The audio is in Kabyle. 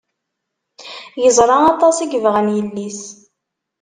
Yeẓra aṭas i yebɣan yelli-s.